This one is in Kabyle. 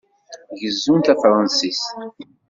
Gezzun tafṛensist?